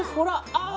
ああ！